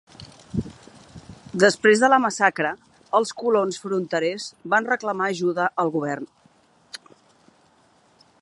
Després de la massacre, els colons fronterers van reclamar ajuda al govern.